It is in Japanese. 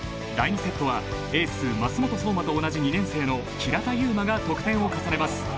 第２セットはエース・舛元颯真と同じ２年生の平田悠真が得点を重ねます。